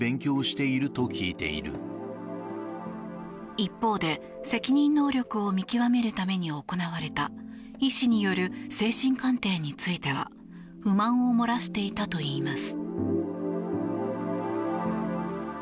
一方で、責任能力を見極めるために行われた医師による精神鑑定については不満を漏らしていたといいます。